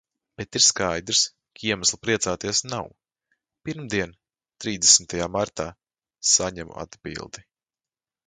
Bet ir skaidrs, ka iemesla priecāties nav. Pirmdien, trīsdesmitajā martā, saņemu atbildi.